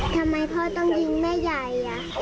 ทำไมพ่อต้องยิงแม่ใหญ่